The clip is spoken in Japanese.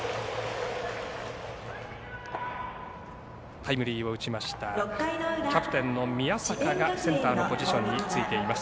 タイムリーを打ちましたキャプテンの宮坂がセンターのポジションについています。